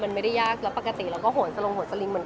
มันไม่ได้ยากปกติเราก็ห่วงสลงห่วงสลิง